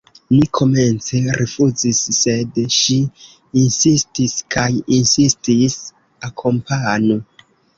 Mi komence rifuzis, sed ŝi insistis kaj insistis: Akompanu!